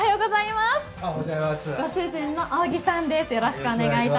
ご主人の扇子さんです。